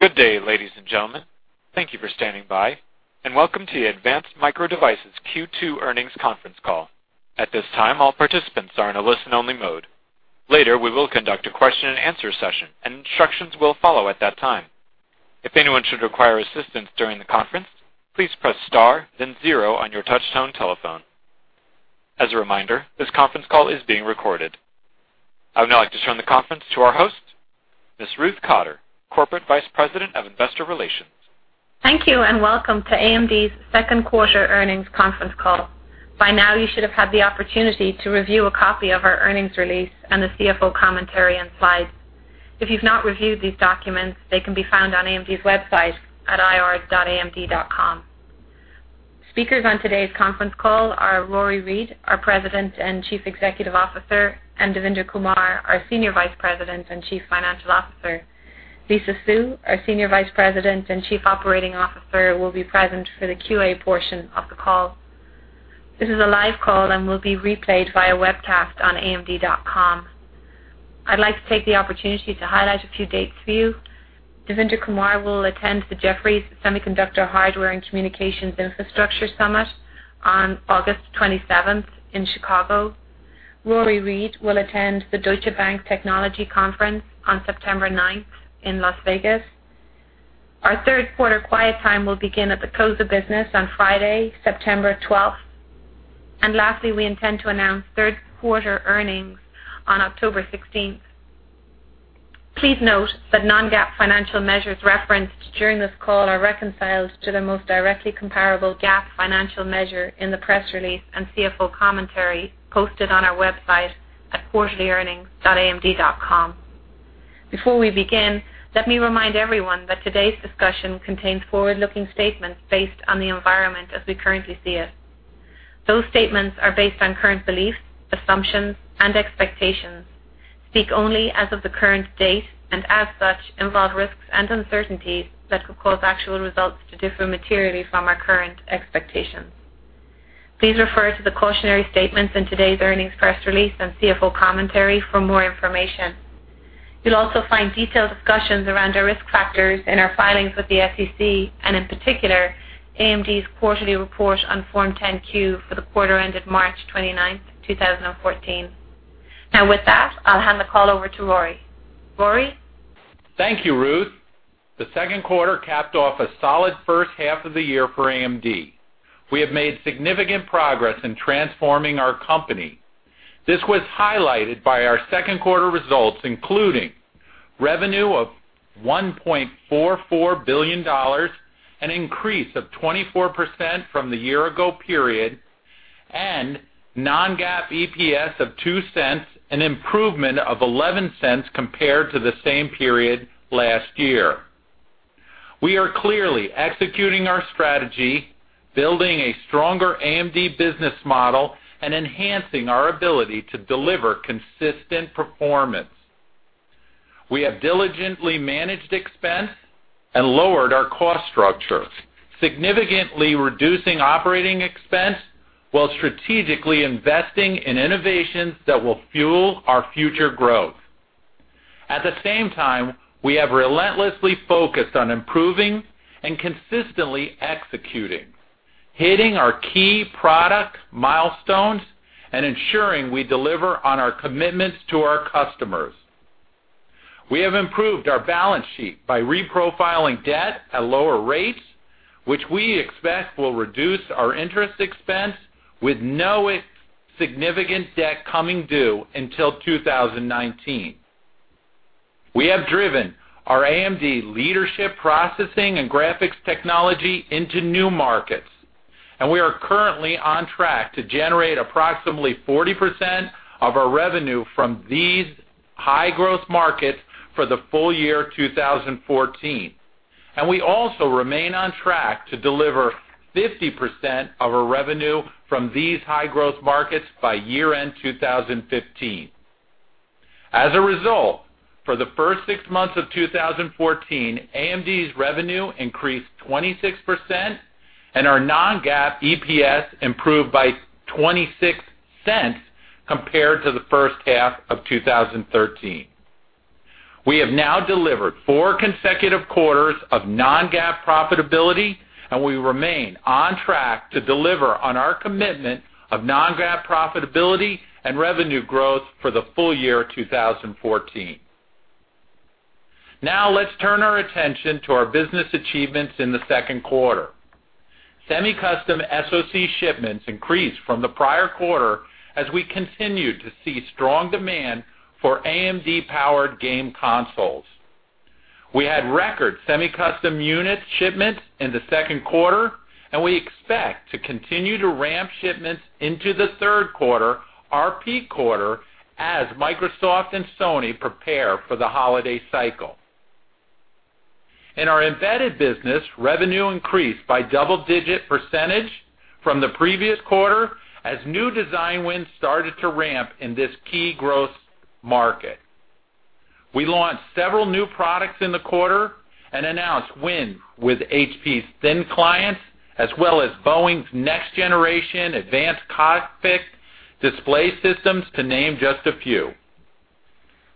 Good day, ladies and gentlemen. Thank you for standing by, and welcome to Advanced Micro Devices Q2 earnings conference call. At this time, all participants are in a listen-only mode. Later, we will conduct a question and answer session, and instructions will follow at that time. If anyone should require assistance during the conference, please press star then zero on your touchtone telephone. As a reminder, this conference call is being recorded. I would now like to turn the conference to our host, Ms. Ruth Cotter, Corporate Vice President of Investor Relations. Thank you and welcome to AMD's second quarter earnings conference call. By now, you should have had the opportunity to review a copy of our earnings release and the CFO commentary and slides. If you've not reviewed these documents, they can be found on amd's website at ir.amd.com. Speakers on today's conference call are Rory Read, our President and Chief Executive Officer, and Devinder Kumar, our Senior Vice President and Chief Financial Officer. Lisa Su, our Senior Vice President and Chief Operating Officer, will be present for the QA portion of the call. This is a live call and will be replayed via webcast on amd.com. I'd like to take the opportunity to highlight a few dates for you. Devinder Kumar will attend the Jefferies Semiconductor, Hardware, and Communications Infrastructure Summit on August 27th in Chicago. Rory Read will attend the Deutsche Bank Technology Conference on September 9th in Las Vegas. Our third quarter quiet time will begin at the close of business on Friday, September 12th. Lastly, we intend to announce third quarter earnings on October 16th. Please note that non-GAAP financial measures referenced during this call are reconciled to the most directly comparable GAAP financial measure in the press release and CFO commentary posted on our website at quarterlyearnings.amd.com. Before we begin, let me remind everyone that today's discussion contains forward-looking statements based on the environment as we currently see it. Those statements are based on current beliefs, assumptions, and expectations, speak only as of the current date, and as such, involve risks and uncertainties that could cause actual results to differ materially from our current expectations. Please refer to the cautionary statements in today's earnings press release and CFO commentary for more information. You'll also find detailed discussions around our risk factors in our filings with the SEC, and in particular, AMD's quarterly report on Form 10-Q for the quarter ended March 29th, 2014. With that, I'll hand the call over to Rory. Rory? Thank you, Ruth. The second quarter capped off a solid first half of the year for AMD. We have made significant progress in transforming our company. This was highlighted by our second quarter results, including revenue of $1.44 billion, an increase of 24% from the year-ago period, and non-GAAP EPS of $0.02, an improvement of $0.11 compared to the same period last year. We are clearly executing our strategy, building a stronger AMD business model, and enhancing our ability to deliver consistent performance. We have diligently managed expense and lowered our cost structure, significantly reducing operating expense while strategically investing in innovations that will fuel our future growth. At the same time, we have relentlessly focused on improving and consistently executing, hitting our key product milestones and ensuring we deliver on our commitments to our customers. We have improved our balance sheet by reprofiling debt at lower rates, which we expect will reduce our interest expense with no significant debt coming due until 2019. We have driven our AMD leadership processing and graphics technology into new markets, and we are currently on track to generate approximately 40% of our revenue from these high-growth markets for the full year 2014. We also remain on track to deliver 50% of our revenue from these high-growth markets by year-end 2015. As a result, for the first six months of 2014, AMD's revenue increased 26%, and our non-GAAP EPS improved by $0.26 compared to the first half of 2013. We have now delivered four consecutive quarters of non-GAAP profitability, and we remain on track to deliver on our commitment of non-GAAP profitability and revenue growth for the full year 2014. Now let's turn our attention to our business achievements in the second quarter. Semi-custom SoC shipments increased from the prior quarter as we continued to see strong demand for AMD-powered game consoles. We had record semi-custom unit shipments in the second quarter, and we expect to continue to ramp shipments into the third quarter, our peak quarter, as Microsoft and Sony prepare for the holiday cycle. In our embedded business, revenue increased by double-digit percentage from the previous quarter as new design wins started to ramp in this key growth market. We launched several new products in the quarter and announced wins with HP's Thin Clients, as well as Boeing's next-generation advanced cockpit display systems to name just a few.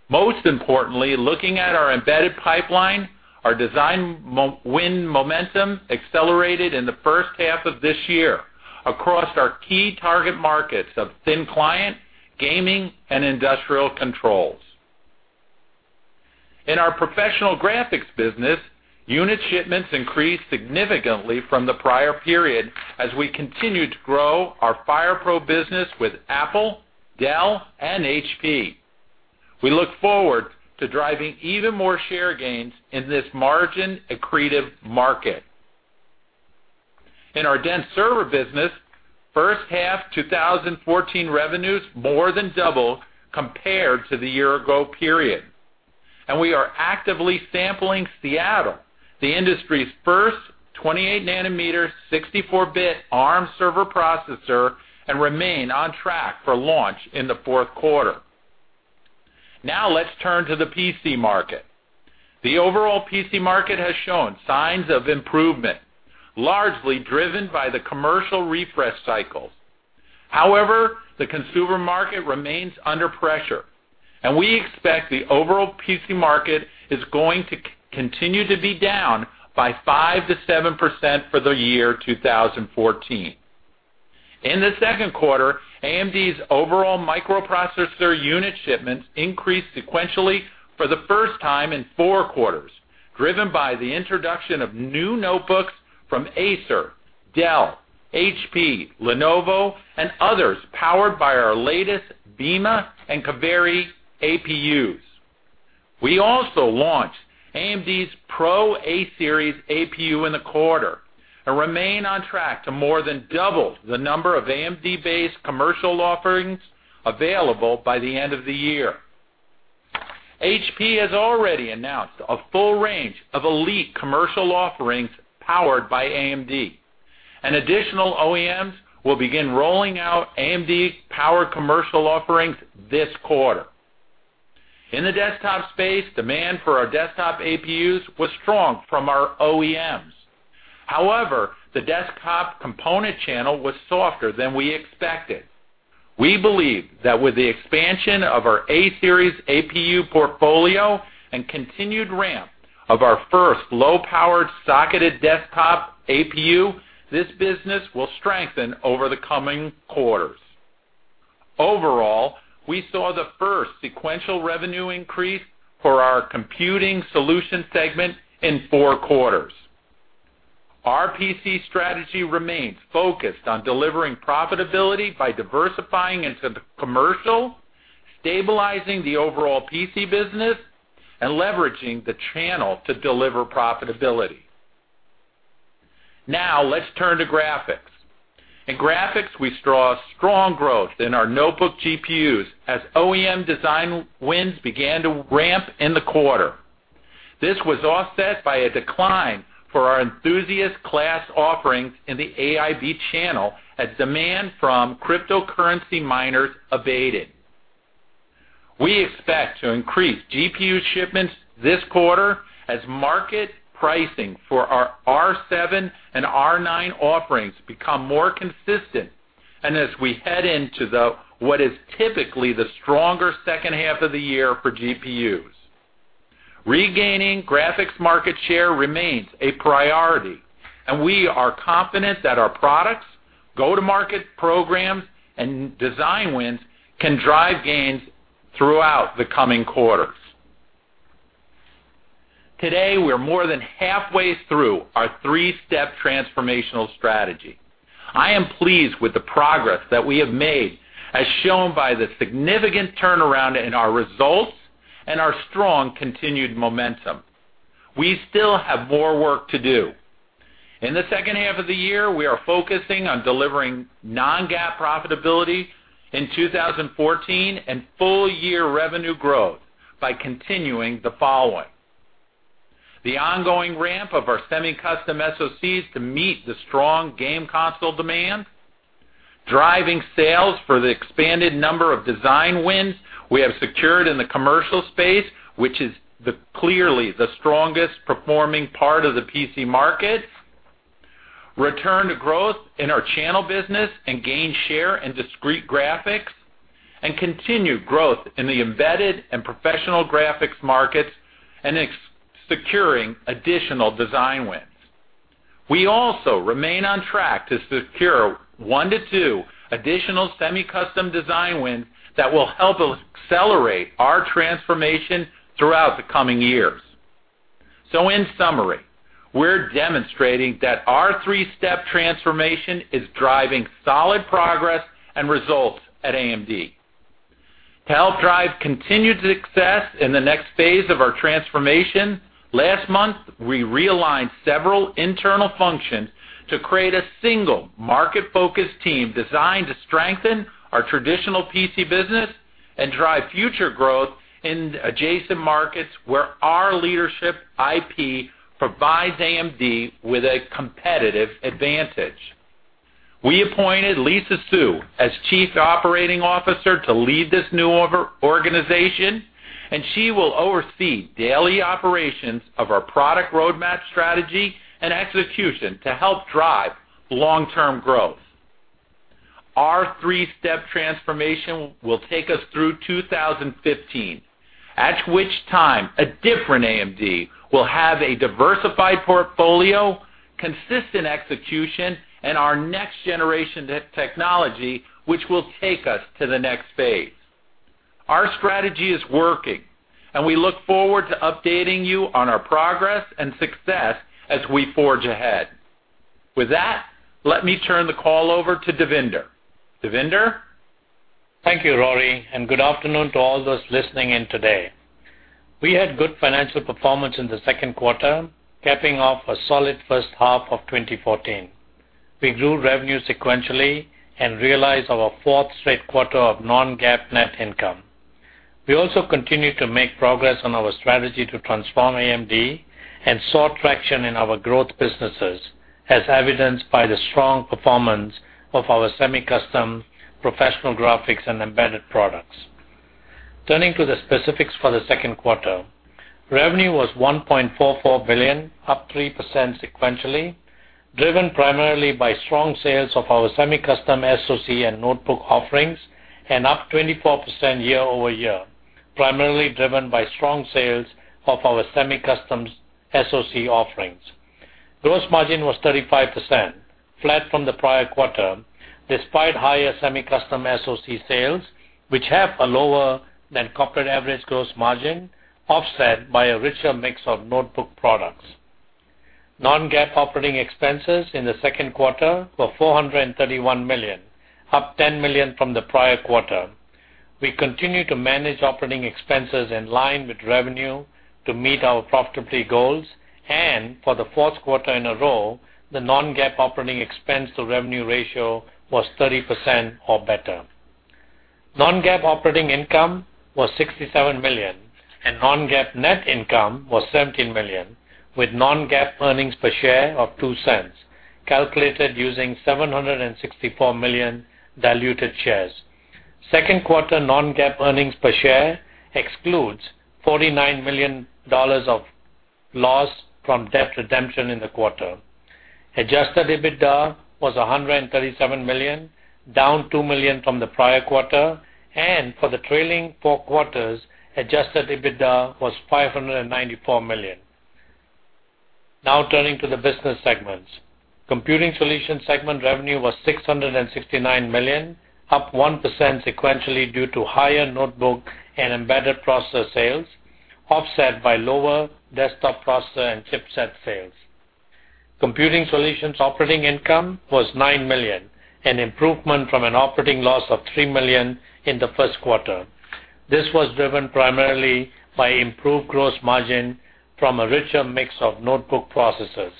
Most importantly, looking at our embedded pipeline, our design win momentum accelerated in the first half of this year across our key target markets of thin client, gaming, and industrial controls. In our professional graphics business, unit shipments increased significantly from the prior period as we continued to grow our FirePro business with Apple, Dell, and HP. We look forward to driving even more share gains in this margin-accretive market. In our dense server business, first half 2014 revenues more than doubled compared to the year-ago period, and we are actively sampling Seattle, the industry's first 28-nanometer 64-bit ARM server processor and remain on track for launch in the fourth quarter. Now let's turn to the PC market. The overall PC market has shown signs of improvement, largely driven by the commercial refresh cycles. However, the consumer market remains under pressure. We expect the overall PC market is going to continue to be down by 5%-7% for the year 2014. In the second quarter, AMD's overall microprocessor unit shipments increased sequentially for the first time in four quarters, driven by the introduction of new notebooks from Acer, Dell, HP, Lenovo, and others powered by our latest Beema and Kaveri APUs. We also launched AMD's PRO A-Series APU in the quarter and remain on track to more than double the number of AMD-based commercial offerings available by the end of the year. HP has already announced a full range of Elite commercial offerings powered by AMD. Additional OEMs will begin rolling out AMD-powered commercial offerings this quarter. In the desktop space, demand for our desktop APUs was strong from our OEMs. However, the desktop component channel was softer than we expected. We believe that with the expansion of our A-Series APU portfolio and continued ramp of our first low-powered socketed desktop APU, this business will strengthen over the coming quarters. Overall, we saw the first sequential revenue increase for our computing solution segment in four quarters. Our PC strategy remains focused on delivering profitability by diversifying into commercial, stabilizing the overall PC business, and leveraging the channel to deliver profitability. Let's turn to graphics. In graphics, we saw strong growth in our notebook GPUs as OEM design wins began to ramp in the quarter. This was offset by a decline for our enthusiast class offerings in the AIB channel as demand from cryptocurrency miners abated. We expect to increase GPU shipments this quarter as market pricing for our R7 and R9 offerings become more consistent and as we head into what is typically the stronger second half of the year for GPUs. Regaining graphics market share remains a priority. We are confident that our products, go-to-market programs, and design wins can drive gains throughout the coming quarters. Today, we're more than halfway through our three-step transformational strategy. I am pleased with the progress that we have made, as shown by the significant turnaround in our results and our strong continued momentum. We still have more work to do. In the second half of the year, we are focusing on delivering non-GAAP profitability in 2014 and full-year revenue growth by continuing the following: The ongoing ramp of our semi-custom SoCs to meet the strong game console demand, driving sales for the expanded number of design wins we have secured in the commercial space, which is clearly the strongest performing part of the PC market, return to growth in our channel business and gain share in discrete graphics, and continued growth in the embedded and professional graphics markets and securing additional design wins. We also remain on track to secure one to two additional semi-custom design wins that will help accelerate our transformation throughout the coming years. In summary, we're demonstrating that our three-step transformation is driving solid progress and results at AMD. To help drive continued success in the next phase of our transformation, last month, we realigned several internal functions to create a single market-focused team designed to strengthen our traditional PC business and drive future growth in adjacent markets where our leadership IP provides AMD with a competitive advantage. We appointed Lisa Su as Chief Operating Officer to lead this new organization. She will oversee daily operations of our product roadmap strategy and execution to help drive long-term growth. Our three-step transformation will take us through 2015, at which time a different AMD will have a diversified portfolio, consistent execution, and our next generation technology, which will take us to the next phase. Our strategy is working, and we look forward to updating you on our progress and success as we forge ahead. With that, let me turn the call over to Devinder. Devinder? Thank you, Rory, and good afternoon to all those listening in today. We had good financial performance in the second quarter, capping off a solid first half of 2014. We grew revenue sequentially and realized our fourth straight quarter of non-GAAP net income. We also continued to make progress on our strategy to transform AMD and saw traction in our growth businesses, as evidenced by the strong performance of our semi-custom professional graphics and embedded products. Turning to the specifics for the second quarter. Revenue was $1.44 billion, up 3% sequentially, driven primarily by strong sales of our semi-custom SoC and notebook offerings, and up 24% year-over-year, primarily driven by strong sales of our semi-custom SoC offerings. Gross margin was 35%, flat from the prior quarter, despite higher semi-custom SoC sales, which have a lower than corporate average gross margin, offset by a richer mix of notebook products. Non-GAAP operating expenses in the second quarter were $431 million, up $10 million from the prior quarter. We continue to manage operating expenses in line with revenue to meet our profitability goals. For the fourth quarter in a row, the non-GAAP operating expense to revenue ratio was 30% or better. Non-GAAP operating income was $67 million, and non-GAAP net income was $17 million, with non-GAAP earnings per share of $0.02, calculated using 764 million diluted shares. Second quarter non-GAAP earnings per share excludes $49 million of loss from debt redemption in the quarter. Adjusted EBITDA was $137 million, down $2 million from the prior quarter, and for the trailing four quarters, adjusted EBITDA was $594 million. Turning to the business segments. Computing Solutions Segment revenue was $669 million, up 1% sequentially due to higher notebook and embedded processor sales, offset by lower desktop processor and chipset sales. Computing Solutions Segment operating income was $9 million, an improvement from an operating loss of $3 million in the first quarter. This was driven primarily by improved gross margin from a richer mix of notebook processors.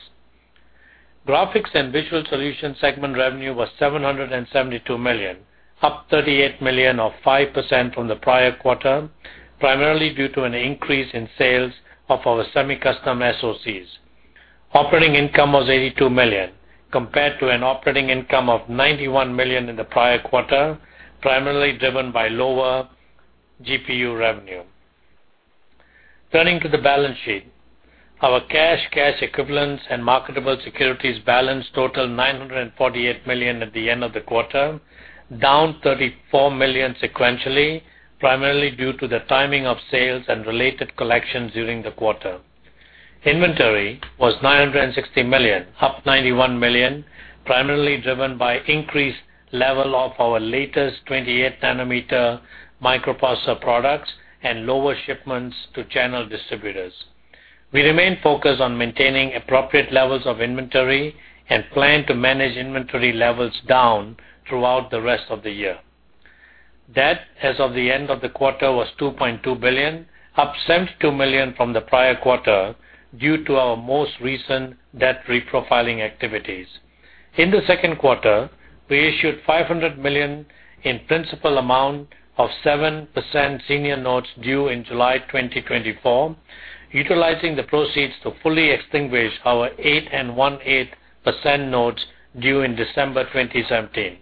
Graphics and Visual Solutions Segment revenue was $772 million, up $38 million or 5% from the prior quarter, primarily due to an increase in sales of our semi-custom SoCs. Operating income was $82 million, compared to an operating income of $91 million in the prior quarter, primarily driven by lower GPU revenue. Turning to the balance sheet. Our cash equivalents, and marketable securities balance totaled $948 million at the end of the quarter, down $34 million sequentially, primarily due to the timing of sales and related collections during the quarter. Inventory was $960 million, up $91 million, primarily driven by increased level of our latest 28 nanometer microprocessor products and lower shipments to channel distributors. We remain focused on maintaining appropriate levels of inventory and plan to manage inventory levels down throughout the rest of the year. Debt as of the end of the quarter was $2.2 billion, up $72 million from the prior quarter due to our most recent debt reprofiling activities. In the second quarter, we issued $500 million in principal amount of 7% senior notes due in July 2024, utilizing the proceeds to fully extinguish our 8 1/8% notes due in December 2017.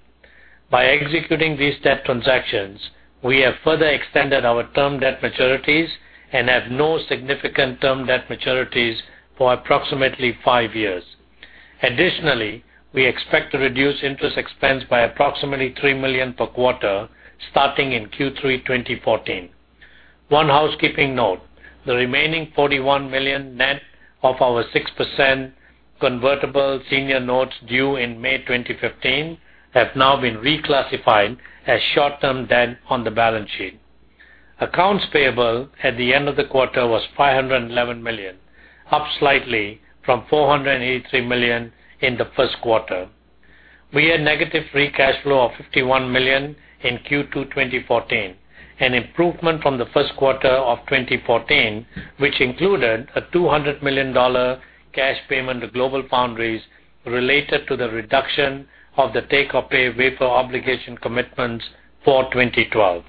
By executing these debt transactions, we have further extended our term debt maturities and have no significant term debt maturities for approximately five years. Additionally, we expect to reduce interest expense by approximately $3 million per quarter starting in Q3 2014. One housekeeping note: the remaining $41 million net of our 6% convertible senior notes due in May 2015 have now been reclassified as short-term debt on the balance sheet. Accounts payable at the end of the quarter was $511 million, up slightly from $483 million in the first quarter. We had negative free cash flow of $51 million in Q2 2014, an improvement from the first quarter of 2014, which included a $200 million cash payment to GlobalFoundries related to the reduction of the take-or-pay waiver obligation commitments for 2012.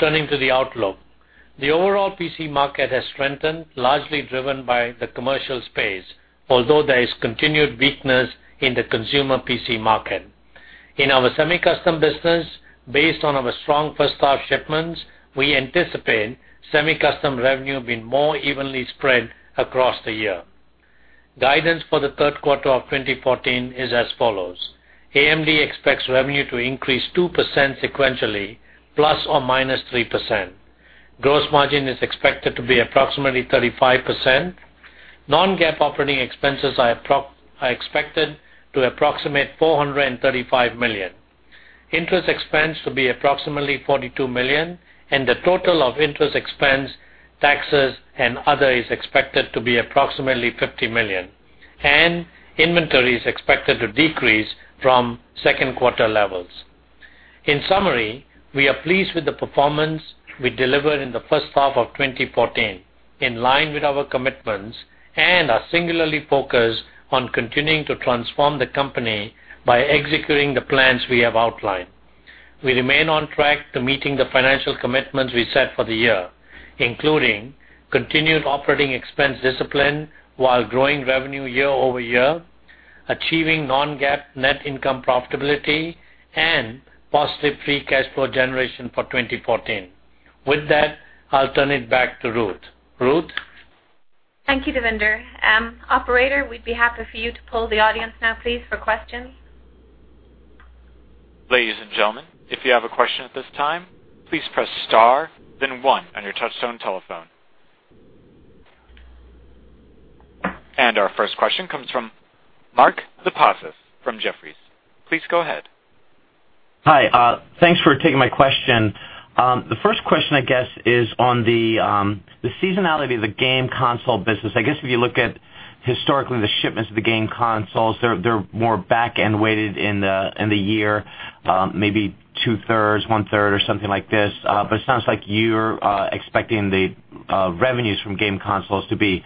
Turning to the outlook. The overall PC market has strengthened, largely driven by the commercial space, although there is continued weakness in the consumer PC market. In our semi-custom business, based on our strong first-half shipments, we anticipate semi-custom revenue being more evenly spread across the year. Guidance for the third quarter of 2014 is as follows: AMD expects revenue to increase 2% sequentially, ±3%. Gross margin is expected to be approximately 35%. Non-GAAP operating expenses are expected to approximate $435 million. Interest expense to be approximately $42 million, and the total of interest expense, taxes, and other is expected to be approximately $50 million. Inventory is expected to decrease from second quarter levels. In summary, we are pleased with the performance we delivered in the first half of 2014, in line with our commitments, and are singularly focused on continuing to transform the company by executing the plans we have outlined. We remain on track to meeting the financial commitments we set for the year, including continued operating expense discipline while growing revenue year-over-year, achieving non-GAAP net income profitability, and positive free cash flow generation for 2014. With that, I'll turn it back to Ruth. Ruth? Thank you, Devinder. Operator, we'd be happy for you to poll the audience now, please, for questions. Ladies and gentlemen, if you have a question at this time, please press star, then one on your touchtone telephone. Our first question comes from Mark Lipacis from Jefferies. Please go ahead. Hi. Thanks for taking my question. The first question, I guess, is on the seasonality of the game console business. I guess if you look at historically the shipments of the game consoles, they're more back-end weighted in the year, maybe two-thirds, one-third, or something like this. It sounds like you're expecting the revenues from game consoles to be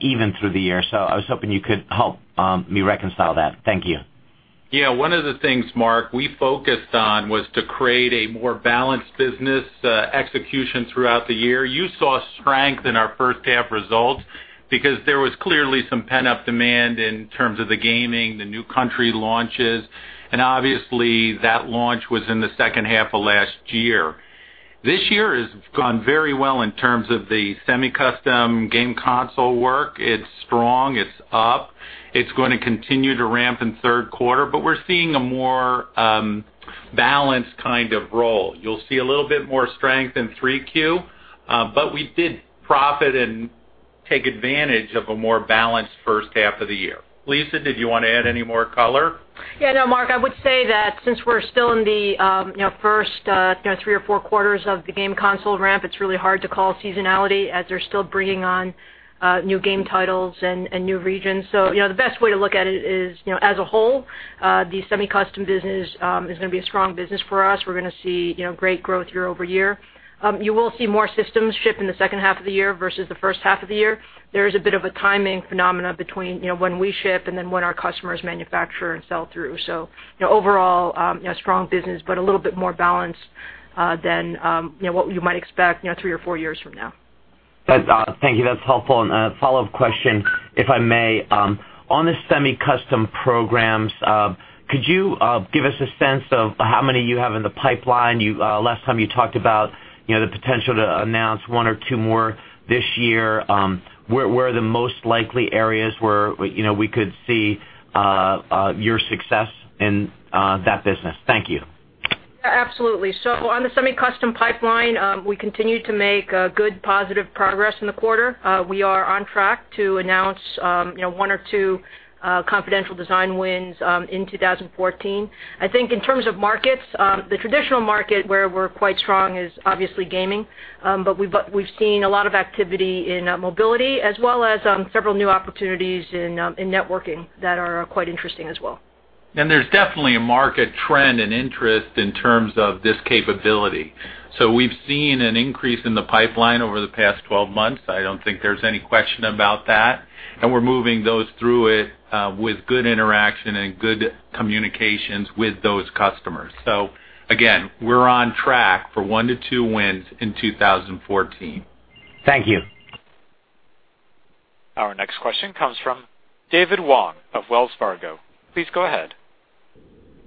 even through the year. I was hoping you could help me reconcile that. Thank you. Yeah. One of the things, Mark, we focused on was to create a more balanced business execution throughout the year. You saw strength in our first half results because there was clearly some pent-up demand in terms of the gaming, the new country launches, and obviously, that launch was in the second half of last year. This year has gone very well in terms of the semi-custom game console work. It's strong, it's up. It's going to continue to ramp in third quarter, but we're seeing a more balanced kind of role. You'll see a little bit more strength in 3Q, but we did profit and take advantage of a more balanced first half of the year. Lisa, did you want to add any more color? Mark, I would say that since we're still in the first three or four quarters of the game console ramp, it's really hard to call seasonality, as they're still bringing on new game titles and new regions. The best way to look at it is, as a whole, the semi-custom business is going to be a strong business for us. We're going to see great growth year-over-year. You will see more systems ship in the second half of the year versus the first half of the year. There is a bit of a timing phenomenon between when we ship and then when our customers manufacture and sell through. Overall, strong business, but a little bit more balanced than what you might expect three or four years from now. Thank you. That's helpful. A follow-up question, if I may. On the semi-custom programs, could you give us a sense of how many you have in the pipeline? Last time you talked about the potential to announce one or two more this year. Where are the most likely areas where we could see your success in that business? Thank you. Absolutely. On the semi-custom pipeline, we continue to make good, positive progress in the quarter. We are on track to announce one or two confidential design wins in 2014. I think in terms of markets, the traditional market where we're quite strong is obviously gaming. We've seen a lot of activity in mobility as well as several new opportunities in networking that are quite interesting as well. There's definitely a market trend and interest in terms of this capability. We've seen an increase in the pipeline over the past 12 months. I don't think there's any question about that. We're moving those through it with good interaction and good communications with those customers. Again, we're on track for one to two wins in 2014. Thank you. Our next question comes from David Wong of Wells Fargo. Please go ahead.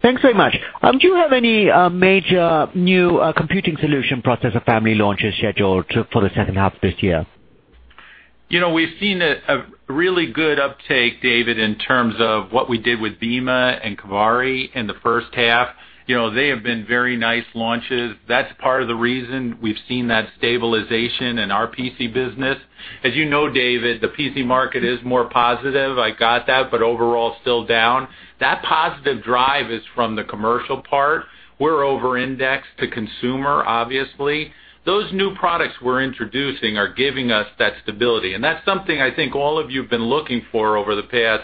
Thanks very much. Do you have any major new computing solution processor family launches scheduled for the second half of this year? We've seen a really good uptake, David, in terms of what we did with Beema and Kaveri in the first half. They have been very nice launches. That's part of the reason we've seen that stabilization in our PC business. As you know, David, the PC market is more positive, I got that, but overall, still down. That positive drive is from the commercial part. We're over-indexed to consumer, obviously. Those new products we're introducing are giving us that stability, and that's something I think all of you have been looking for over the past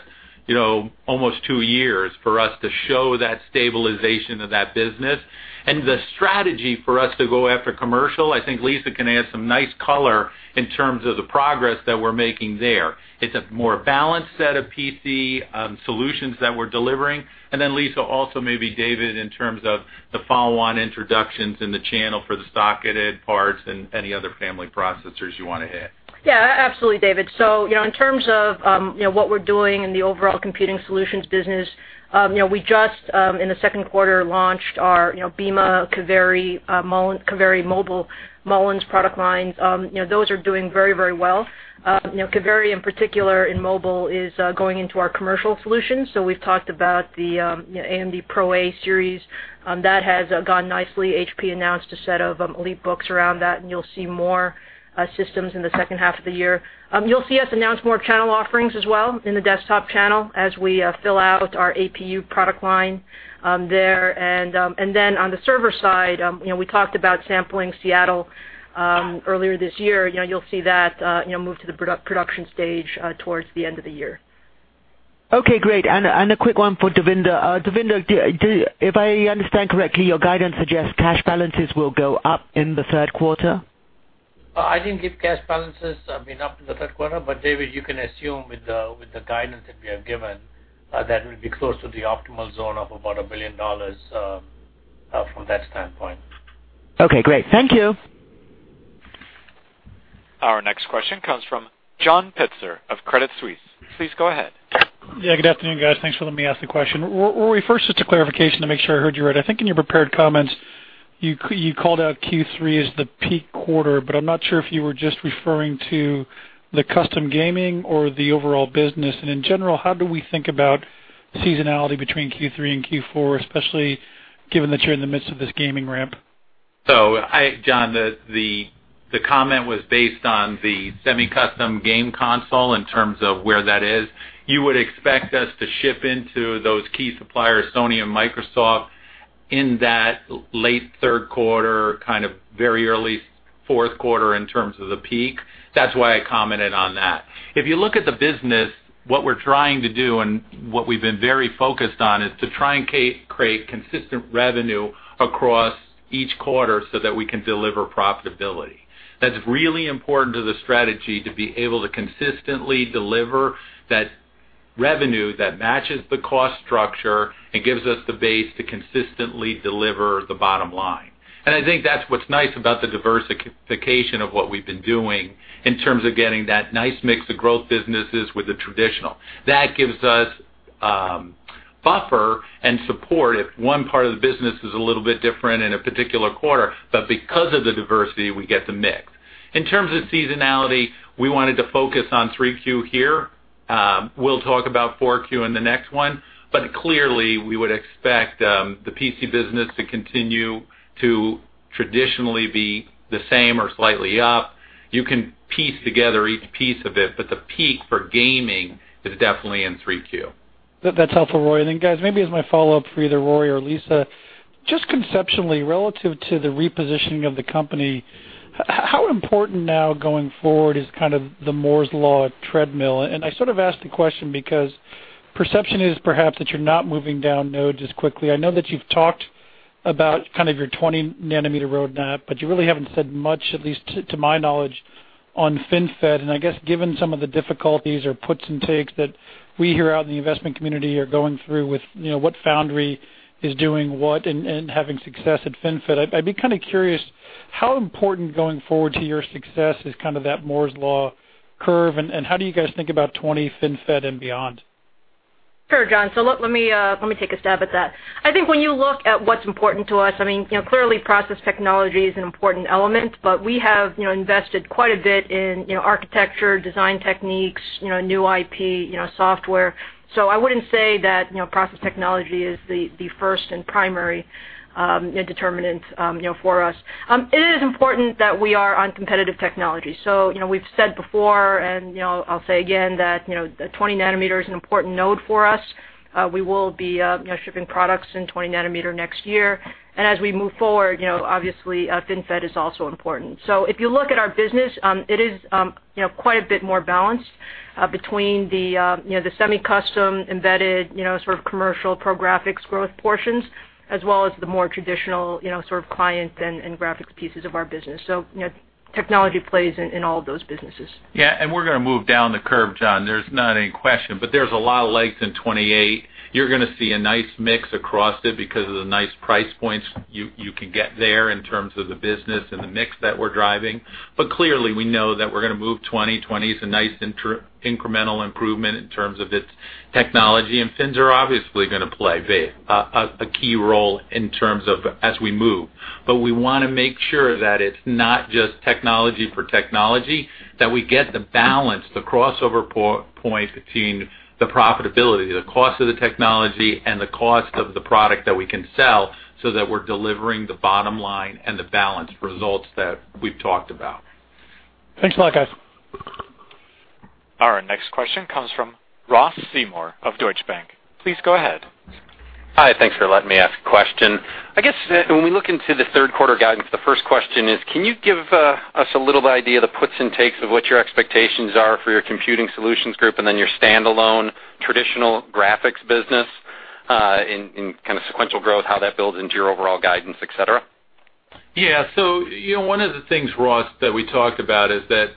almost two years, for us to show that stabilization of that business. The strategy for us to go after commercial, I think Lisa can add some nice color in terms of the progress that we're making there. It's a more balanced set of PC solutions that we're delivering. Lisa, also maybe David, in terms of- The follow-on introductions in the channel for the socketed parts and any other family processors you want to hit. Yeah, absolutely, David. In terms of what we're doing in the overall computing solutions business, we just, in the second quarter, launched our Beema Kaveri mobile Mullins product lines. Those are doing very well. Kaveri, in particular, in mobile, is going into our commercial solutions. We've talked about the AMD PRO A-Series. That has gone nicely. HP announced a set of EliteBooks around that, and you'll see more systems in the second half of the year. You'll see us announce more channel offerings as well in the desktop channel as we fill out our APU product line there. On the server side, we talked about sampling Seattle earlier this year. You'll see that move to the production stage towards the end of the year. Okay, great. A quick one for Devinder. Devinder, if I understand correctly, your guidance suggests cash balances will go up in the third quarter? I didn't give cash balances up in the third quarter, David, you can assume with the guidance that we have given, that will be close to the optimal zone of about $1 billion from that standpoint. Okay, great. Thank you. Our next question comes from John Pitzer of Credit Suisse. Please go ahead. Yeah. Good afternoon, guys. Thanks for letting me ask the question. Rory, first, just a clarification to make sure I heard you right. I think in your prepared comments, you called out Q3 as the peak quarter, I'm not sure if you were just referring to the custom gaming or the overall business. In general, how do we think about seasonality between Q3 and Q4, especially given that you're in the midst of this gaming ramp? John, the comment was based on the semi-custom game console in terms of where that is. You would expect us to ship into those key suppliers, Sony and Microsoft, in that late third quarter, very early fourth quarter in terms of the peak. That's why I commented on that. If you look at the business, what we're trying to do and what we've been very focused on is to try and create consistent revenue across each quarter so that we can deliver profitability. That's really important to the strategy to be able to consistently deliver that revenue that matches the cost structure and gives us the base to consistently deliver the bottom line. I think that's what's nice about the diversification of what we've been doing in terms of getting that nice mix of growth businesses with the traditional. That gives us buffer and support if one part of the business is a little bit different in a particular quarter, but because of the diversity, we get the mix. In terms of seasonality, we wanted to focus on 3Q here. We'll talk about 4Q in the next one. Clearly, we would expect the PC business to continue to traditionally be the same or slightly up. You can piece together each piece of it, but the peak for gaming is definitely in 3Q. That's helpful, Rory. Guys, maybe as my follow-up for either Rory or Lisa, just conceptually, relative to the repositioning of the company, how important now going forward is the Moore's Law treadmill? I sort of ask the question because the perception is perhaps that you're not moving down nodes as quickly. I know that you've talked about your 20-nanometer roadmap, but you really haven't said much, at least to my knowledge, on FinFET. I guess, given some of the difficulties or puts and takes that we hear out in the investment community are going through with what foundry is doing what and having success at FinFET, I'd be curious how important going forward to your success is that Moore's Law curve, and how do you guys think about 20 FinFET and beyond? Sure, John. Let me take a stab at that. I think when you look at what's important to us, clearly process technology is an important element, but we have invested quite a bit in architecture, design techniques, new IP, software. I wouldn't say that process technology is the first and primary determinant for us. It is important that we are on competitive technology. We've said before, and I'll say again, that 20 nanometer is an important node for us. We will be shipping products in 20 nanometer next year. As we move forward, obviously FinFET is also important. If you look at our business, it is quite a bit more balanced between the semi-custom, embedded, commercial pro graphics growth portions, as well as the more traditional client and graphics pieces of our business. Technology plays in all of those businesses. Yeah, we're going to move down the curve, John. There's not any question, but there's a lot of legs in 28. You're going to see a nice mix across it because of the nice price points you can get there in terms of the business and the mix that we're driving. Clearly, we know that we're going to move 20. Twenty is a nice incremental improvement in terms of its technology, and FinFETs are obviously going to play a key role as we move. We want to make sure that it's not just technology for technology, that we get the balance, the crossover point between the profitability, the cost of the technology, and the cost of the product that we can sell so that we're delivering the bottom line and the balanced results that we've talked about. Thanks a lot, guys. Our next question comes from Ross Seymore of Deutsche Bank. Please go ahead. Hi, thanks for letting me ask a question. I guess when we look into the third quarter guidance, the first question is, can you give us a little idea, the puts and takes of what your expectations are for your Computing Solutions Group and then your standalone traditional graphics business in sequential growth, how that builds into your overall guidance, et cetera? Yeah. One of the things, Ross Seymore, that we talked about is that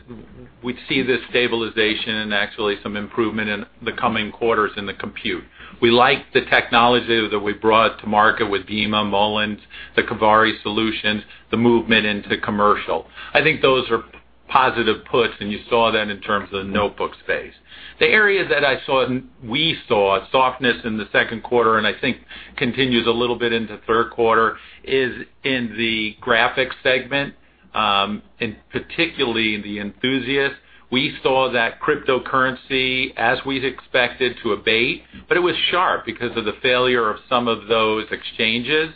we see this stabilization and actually some improvement in the coming quarters in the compute. We like the technology that we brought to market with Beema, Mullins, the Kaveri solutions, the movement into commercial. I think those are positive puts, and you saw that in terms of the notebook space. The areas that we saw softness in the second quarter, and I think continues a little bit into third quarter, is in the graphics segment, and particularly the enthusiast. We saw that cryptocurrency, as we'd expected, to abate, but it was sharp because of the failure of some of those exchanges.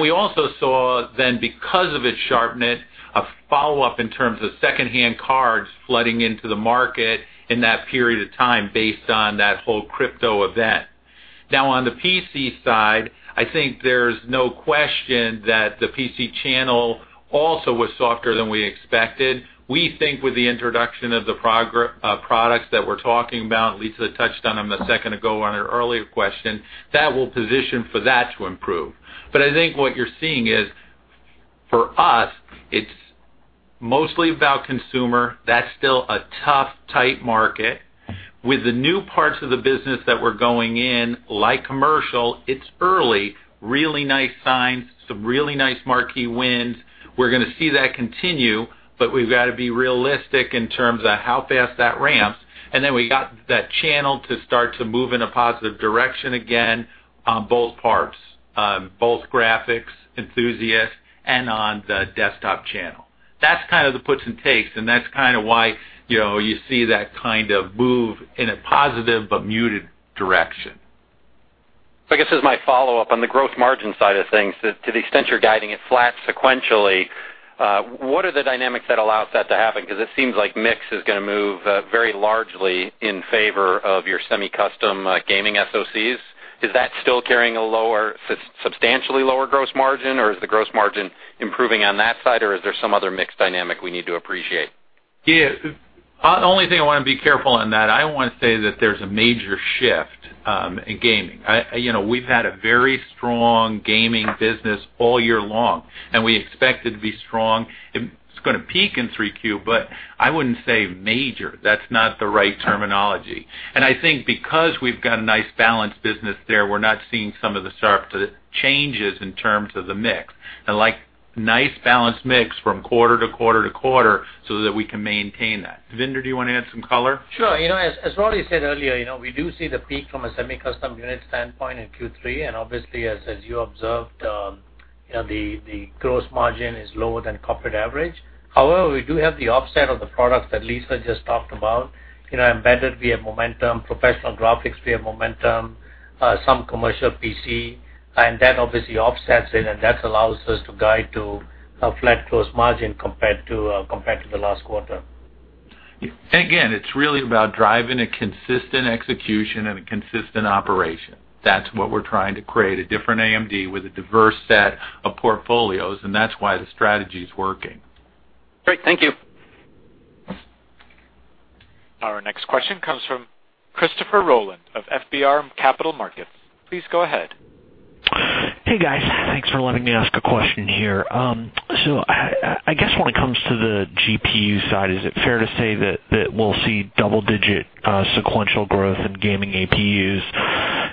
We also saw then, because of its sharpness, a follow-up in terms of secondhand cards flooding into the market in that period of time based on that whole crypto event. On the PC side, I think there's no question that the PC channel also was softer than we expected. We think with the introduction of the products that we're talking about, Lisa Su touched on them a second ago on an earlier question, that will position for that to improve. I think what you're seeing is, for us, it's mostly about consumer. That's still a tough, tight market. With the new parts of the business that we're going in, like commercial, it's early. Really nice signs, some really nice marquee wins. We're going to see that continue, but we've got to be realistic in terms of how fast that ramps. Then we got that channel to start to move in a positive direction again on both parts, both graphics, enthusiast, and on the desktop channel. That's the puts and takes, and that's why you see that kind of move in a positive but muted direction. I guess as my follow-up on the gross margin side of things, to the extent you're guiding it flat sequentially, what are the dynamics that allows that to happen? It seems like mix is going to move very largely in favor of your semi-custom gaming SoCs. Is that still carrying a substantially lower gross margin, or is the gross margin improving on that side, or is there some other mix dynamic we need to appreciate? Yeah. The only thing I want to be careful on that, I don't want to say that there's a major shift in gaming. We've had a very strong gaming business all year long, and we expect it to be strong. It's going to peak in 3Q, I wouldn't say major. That's not the right terminology. I think because we've got a nice balanced business there, we're not seeing some of the sharp changes in terms of the mix. I like nice balanced mix from quarter to quarter to quarter so that we can maintain that. Devinder, do you want to add some color? Sure. As Rory said earlier, we do see the peak from a semi-custom unit standpoint in Q3. Obviously, as you observed, the gross margin is lower than corporate average. However, we do have the offset of the products that Lisa just talked about. Embedded, we have momentum. Professional graphics, we have momentum. Some commercial PC. That obviously offsets it, and that allows us to guide to a flat gross margin compared to the last quarter. Again, it's really about driving a consistent execution and a consistent operation. That's what we're trying to create, a different AMD with a diverse set of portfolios, that's why the strategy's working. Great. Thank you. Our next question comes from Christopher Rolland of FBR Capital Markets. Please go ahead. Hey, guys. Thanks for letting me ask a question here. I guess when it comes to the GPU side, is it fair to say that we'll see double-digit sequential growth in gaming APUs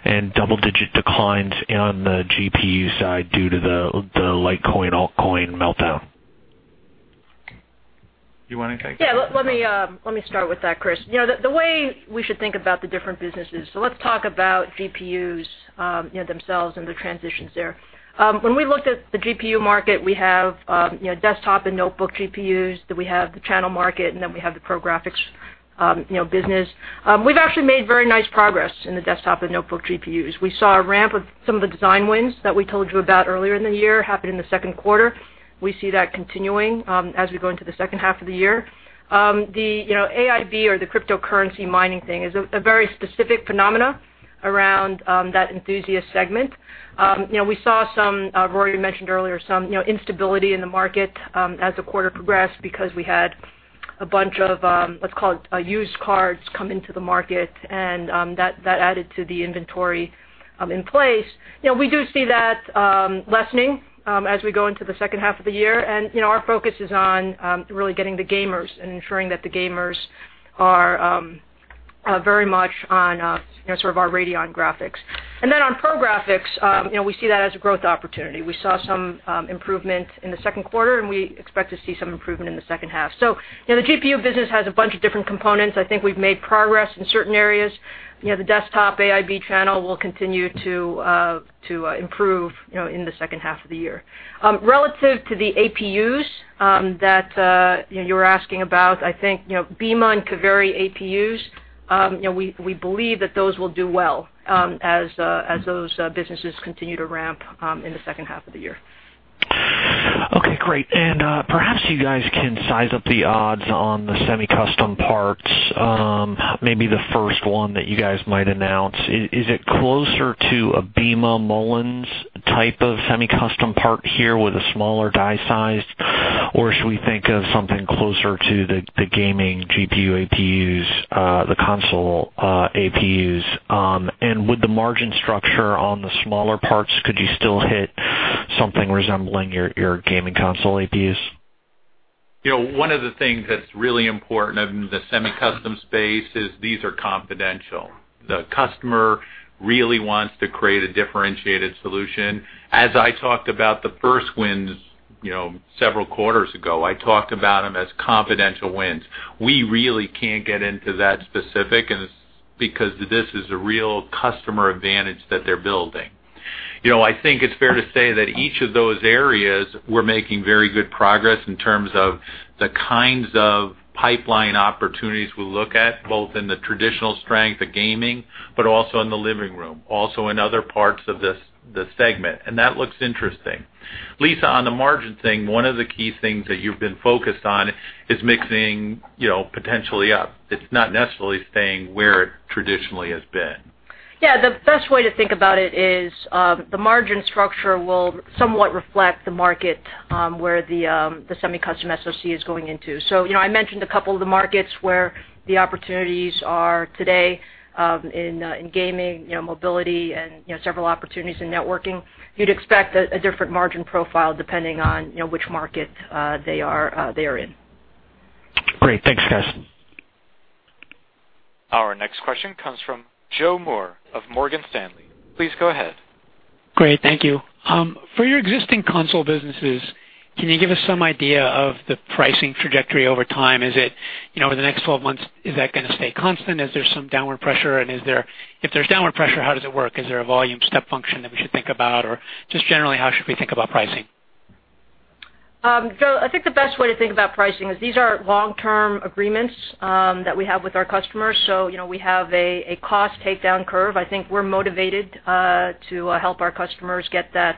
and double-digit declines on the GPU side due to the Litecoin altcoin meltdown? You want to take that? Let me start with that, Chris. The way we should think about the different businesses, let's talk about GPUs themselves and the transitions there. When we looked at the GPU market, we have desktop and notebook GPUs. We have the channel market. We have the ProGraphics business. We've actually made very nice progress in the desktop and notebook GPUs. We saw a ramp of some of the design wins that we told you about earlier in the year happen in the second quarter. We see that continuing as we go into the second half of the year. The AIB or the cryptocurrency mining thing is a very specific phenomena around that enthusiast segment. We saw some, Rory Read mentioned earlier, some instability in the market as the quarter progressed because we had a bunch of, let's call it, used cards come into the market, and that added to the inventory in place. We do see that lessening as we go into the second half of the year, and our focus is on really getting the gamers and ensuring that the gamers are very much on our Radeon graphics. On ProGraphics, we see that as a growth opportunity. We saw some improvement in the second quarter, and we expect to see some improvement in the second half. The GPU business has a bunch of different components. I think we've made progress in certain areas. The desktop AIB channel will continue to improve in the second half of the year. Relative to the APUs that you were asking about, I think Beema and Kaveri APUs, we believe that those will do well as those businesses continue to ramp in the second half of the year. Okay, great. Perhaps you guys can size up the odds on the semi-custom parts, maybe the first one that you guys might announce. Is it closer to a Beema Mullins type of semi-custom part here with a smaller die size? Or should we think of something closer to the gaming GPU APUs, the console APUs? With the margin structure on the smaller parts, could you still hit something resembling your gaming console APUs? One of the things that's really important in the semi-custom space is these are confidential. The customer really wants to create a differentiated solution. As I talked about the first wins several quarters ago, I talked about them as confidential wins. We really can't get into that specific, and it's because this is a real customer advantage that they're building. I think it's fair to say that each of those areas, we're making very good progress in terms of the kinds of pipeline opportunities we look at, both in the traditional strength, the gaming, but also in the living room, also in other parts of this segment. That looks interesting. Lisa, on the margin thing, one of the key things that you've been focused on is mixing, potentially up. It's not necessarily staying where it traditionally has been. Yeah, the best way to think about it is, the margin structure will somewhat reflect the market, where the semi-custom SoC is going into. I mentioned a couple of the markets where the opportunities are today, in gaming, mobility and several opportunities in networking. You'd expect a different margin profile depending on which market they are in. Great. Thanks, guys. Our next question comes from Joseph Moore of Morgan Stanley. Please go ahead. Great. Thank you. For your existing console businesses, can you give us some idea of the pricing trajectory over time? Over the next 12 months, is that going to stay constant? Is there some downward pressure and if there's downward pressure, how does it work? Is there a volume step function that we should think about? Or just generally, how should we think about pricing? Joe, I think the best way to think about pricing is these are long-term agreements that we have with our customers. We have a cost take down curve. I think we're motivated to help our customers get the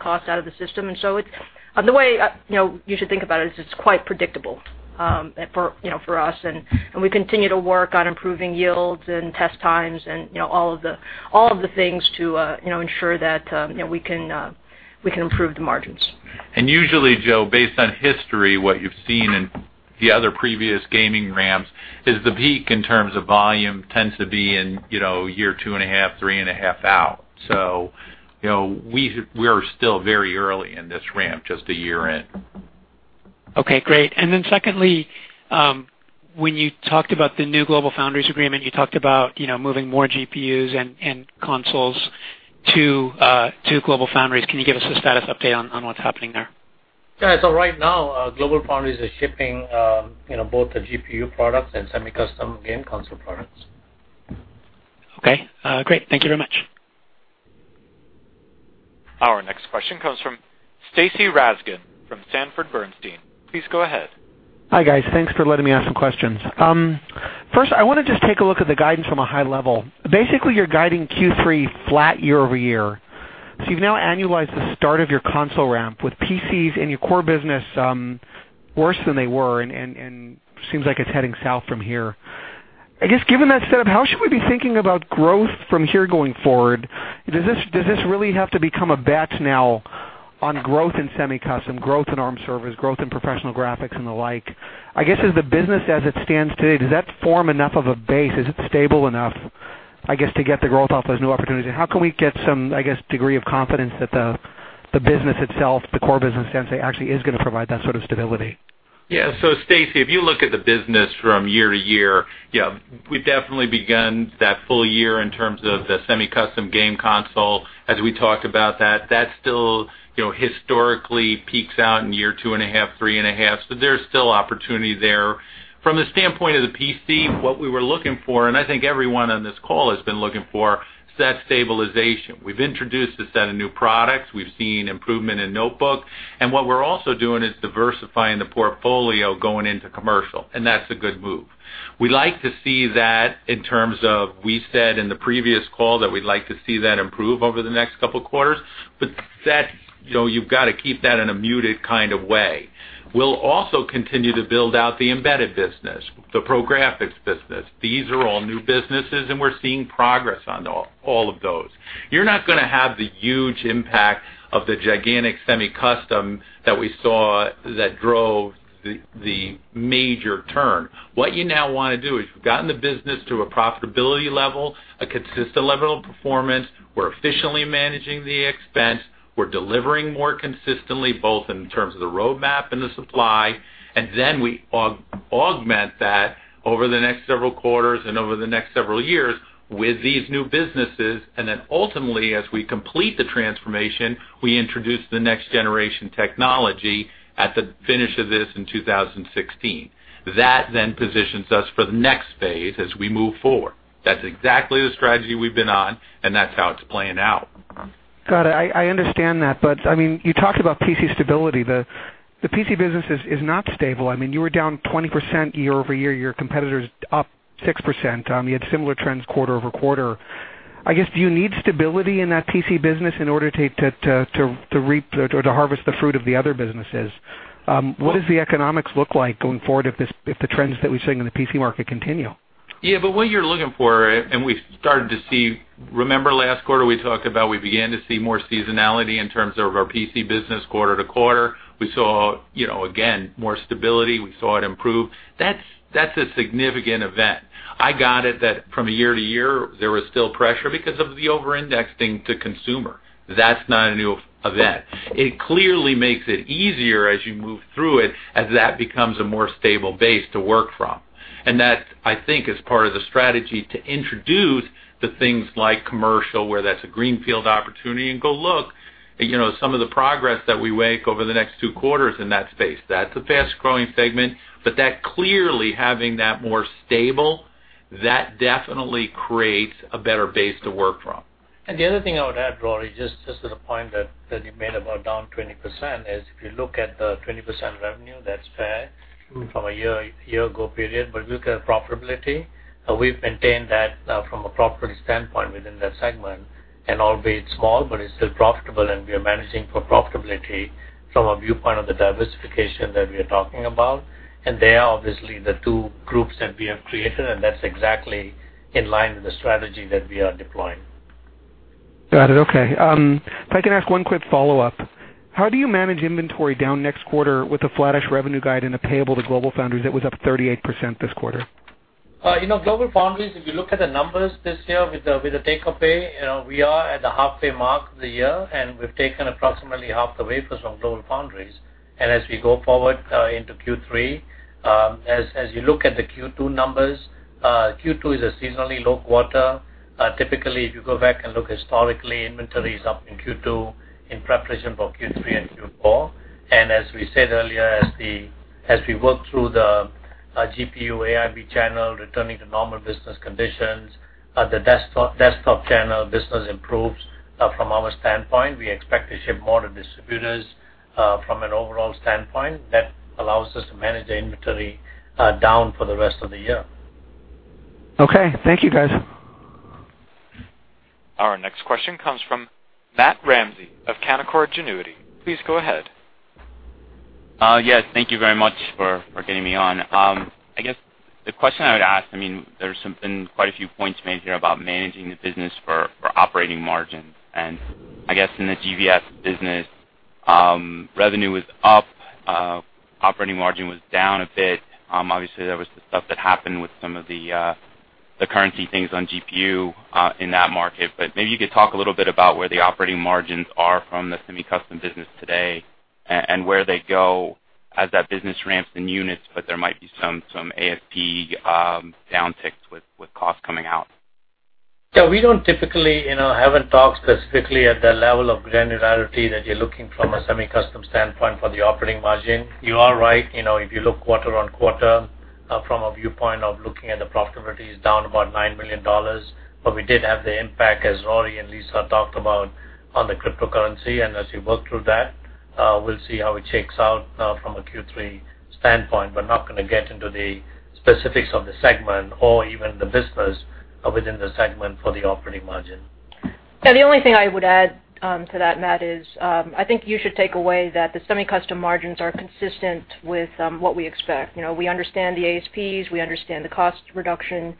cost out of the system. The way you should think about it is it's quite predictable for us, and we continue to work on improving yields and test times and all of the things to ensure that we can improve the margins. Usually, Joe, based on history, what you've seen in the other previous gaming ramps is the peak in terms of volume tends to be in year two and a half, three and a half out. We are still very early in this ramp, just a year in. Okay, great. Then secondly, when you talked about the new GlobalFoundries agreement, you talked about moving more GPUs and consoles to GlobalFoundries. Can you give us a status update on what's happening there? Yeah. Right now, GlobalFoundries is shipping both the GPU products and semi-custom game console products. Okay. Great. Thank you very much. Our next question comes from Stacy Rasgon from Sanford Bernstein. Please go ahead. Hi, guys. Thanks for letting me ask some questions. First, I want to just take a look at the guidance from a high level. Basically, you're guiding Q3 flat year-over-year. You've now annualized the start of your console ramp with PCs in your core business worse than they were, and seems like it's heading south from here. I guess given that setup, how should we be thinking about growth from here going forward? Does this really have to become a bet now on growth in semi-custom, growth in Arm server, growth in professional graphics and the like? I guess, as the business as it stands today, does that form enough of a base? Is it stable enough, I guess, to get the growth off those new opportunities? How can we get some, I guess, degree of confidence that the business itself, the core business per se, actually is going to provide that sort of stability? Yeah, Stacy, if you look at the business from year-to-year, yeah, we've definitely begun that full year in terms of the semi-custom game console, as we talked about that. That still historically peaks out in year two and a half, three and a half. There's still opportunity there. From the standpoint of the PC, what we were looking for, and I think everyone on this call has been looking for, is that stabilization. We've introduced a set of new products. We've seen improvement in notebooks. What we're also doing is diversifying the portfolio going into commercial, and that's a good move. We like to see that in terms of, we said in the previous call that we'd like to see that improve over the next couple of quarters, you've got to keep that in a muted kind of way. We'll also continue to build out the embedded business, the pro graphics business. These are all new businesses, we're seeing progress on all of those. You're not going to have the huge impact of the gigantic semi-custom that we saw that drove the major turn. What you now want to do is you've gotten the business to a profitability level, a consistent level of performance. We're efficiently managing the expense. We're delivering more consistently, both in terms of the roadmap and the supply. We augment that over the next several quarters and over the next several years with these new businesses, and then ultimately, as we complete the transformation, we introduce the next generation technology at the finish of this in 2016. That then positions us for the next phase as we move forward. That's exactly the strategy we've been on, that's how it's playing out. Got it. I understand that, you talked about PC stability. The PC business is not stable. You were down 20% year-over-year. Your competitor's up 6%. You had similar trends quarter-over-quarter. I guess, do you need stability in that PC business in order to reap or to harvest the fruit of the other businesses? What does the economics look like going forward if the trends that we're seeing in the PC market continue? Yeah, what you're looking for, we started to see, remember last quarter we talked about we began to see more seasonality in terms of our PC business quarter-to-quarter. We saw, again, more stability. We saw it improve. That's a significant event. I got it that from year-to-year, there was still pressure because of the over-indexing to consumer. That's not a new event. It clearly makes it easier as you move through it, as that becomes a more stable base to work from. That, I think, is part of the strategy to introduce the things like commercial, where that's a greenfield opportunity, go look at some of the progress that we make over the next two quarters in that space. That's a fast-growing segment, that clearly having that more stable, that definitely creates a better base to work from. The other thing I would add, Rory, just to the point that you made about down 20%, is if you look at the 20% revenue, that's fair from a year-ago period. Look at profitability. We've maintained that from a profitability standpoint within that segment, and albeit small, but it's still profitable, and we are managing for profitability from a viewpoint of the diversification that we are talking about. They are obviously the two groups that we have created, and that's exactly in line with the strategy that we are deploying. Got it. Okay. If I can ask one quick follow-up. How do you manage inventory down next quarter with a flattish revenue guide and a payable to GlobalFoundries that was up 38% this quarter? GlobalFoundries, if you look at the numbers this year with the take of pay, we are at the halfway mark of the year, and we've taken approximately half the wafers from GlobalFoundries. As we go forward into Q3, as you look at the Q2 numbers, Q2 is a seasonally low quarter. Typically, if you go back and look historically, inventory is up in Q2 in preparation for Q3 and Q4. As we said earlier, as we work through the GPU AIB channel returning to normal business conditions, the desktop channel business improves from our standpoint. We expect to ship more to distributors from an overall standpoint. That allows us to manage the inventory down for the rest of the year. Okay, thank you, guys. Our next question comes from Matthew Ramsay of Canaccord Genuity. Please go ahead. Yes, thank you very much for getting me on. I guess the question I would ask, there's been quite a few points made here about managing the business for operating margin. I guess in the GVS business, revenue was up, operating margin was down a bit. Obviously, there was the stuff that happened with some of the currency things on GPU in that market. Maybe you could talk a little bit about where the operating margins are from the semi-custom business today and where they go as that business ramps in units, but there might be some ASP downticks with costs coming out. Yeah, we don't typically haven't talked specifically at the level of granularity that you're looking from a semi-custom standpoint for the operating margin. You are right. If you look quarter-on-quarter from a viewpoint of looking at the profitability is down about $9 million. We did have the impact, as Rory and Lisa talked about, on the cryptocurrency, and as you work through that, we'll see how it shakes out from a Q3 standpoint. We're not going to get into the specifics of the segment or even the business within the segment for the operating margin. Yeah, the only thing I would add to that, Matt, is I think you should take away that the semi-custom margins are consistent with what we expect. We understand the ASPs, we understand the cost reduction